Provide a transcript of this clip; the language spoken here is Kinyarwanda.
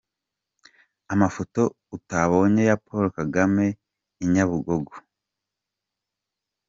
Amafoto utabonye ya Paul Kagame i Nyabugogo.